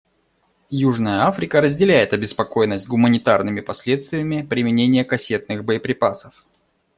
Южная Африка разделяет обеспокоенность гуманитарными последствиями применения кассетных боеприпасов.